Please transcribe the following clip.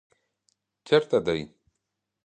چېرته دی؟